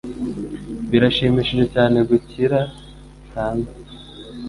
Birashimishije cyane gukina hanze.